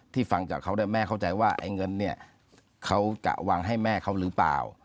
ฟังจากเขาด้วยแม่เข้าใจว่าไอ้เงินเนี่ยเขาจะวางให้แม่เขาหรือเปล่า